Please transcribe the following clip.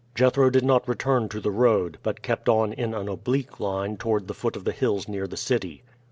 Jethro did not return to the road, but kept on in an oblique line toward the foot of the hills near the city.